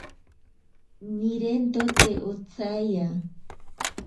Nirento te otsaiya.